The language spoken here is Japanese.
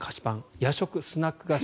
夜食、スナック菓子。